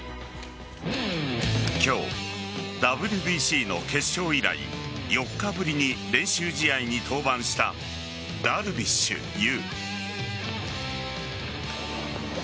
今日、ＷＢＣの決勝以来４日ぶりに練習試合に登板したダルビッシュ有。